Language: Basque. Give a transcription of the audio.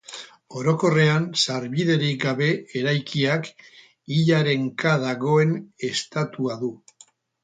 Orokorrean sarbiderik gabe eraikiak, hilaren ka dagoen estatua du.